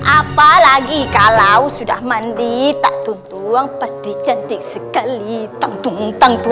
apalagi kalau sudah mandi taktun buang pasti cantik sekali tang tung tang tung tung